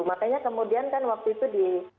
makanya kemudian kan waktu itu di